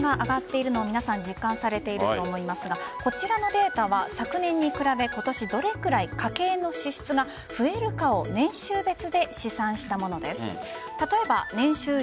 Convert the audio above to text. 今、様々な物の値段が上がっているのを皆さん実感されていると思いますがこちらのデータは昨年に比べ今年、どれくらい家計の支出が増えるかを年収別で試算したものです。